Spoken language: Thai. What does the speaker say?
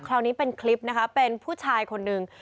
คราวนี้เป็นคลิปนะคะเป็นผู้ชายคนหนึ่ง